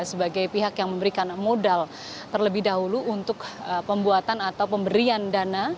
sebagai pihak yang memberikan modal terlebih dahulu untuk pembuatan atau pemberian dana